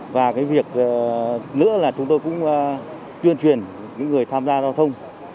và cái việc nữa là chúng tôi cũng tuyên truyền những người tham gia giao thông